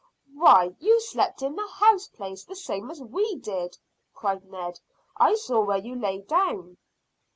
"Why, you slept in the house place the same as we did," cried Ned. "I saw where you lay down."